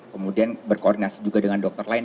kemudian berkoordinasi juga dengan dokter lain